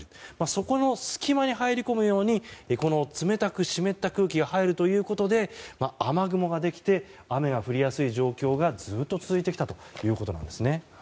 その隙間に入り込むように冷たく湿った空気が入ることで雨雲ができて雨が降りやすい状況がずっと続いてきたということなんですね。